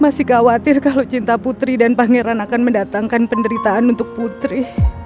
masih khawatir kalau cinta putri dan pangeran akan mendatangkan penderitaan untuk putri